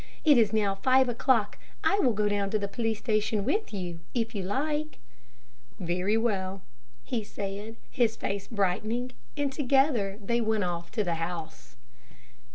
It is now five o'clock. I will go down to the police station with you, if you like." "Very well," he said, his face brightening, and together they went off to the house.